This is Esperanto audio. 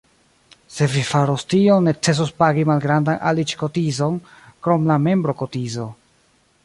Se vi faros tion, necesos pagi malgrandan aliĝ-kotizon krom la membro-kotizo.